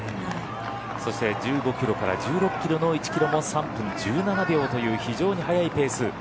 そして１５キロから１６キロの１キロも３分１７秒という非常に速いペース。